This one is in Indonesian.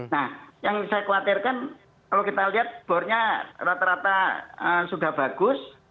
nah yang saya khawatirkan kalau kita lihat bornya rata rata sudah bagus